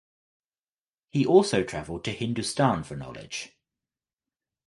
He also traveled to Hindustan for knowledge.